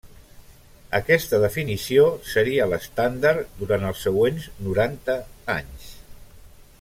Aquesta definició seria l'estàndard durant els següents noranta anys.